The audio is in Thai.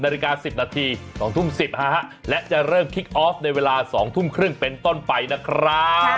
รอบในเวลา๒ทุ่มครึ่งเป็นต้นไปนะครับ